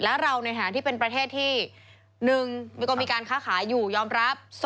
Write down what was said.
และเราในฐานะที่เป็นประเทศที่๑มันก็มีการค้าขายอยู่ยอมรับ